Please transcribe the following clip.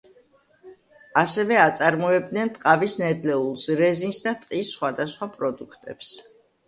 ასევე აწარმოებდნენ ტყავის ნედლეულს, რეზინს და ტყის სხვადასხვა პროდუქტებს.